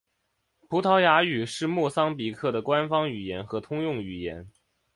葡萄牙语是莫桑比克的官方语言和通用语言。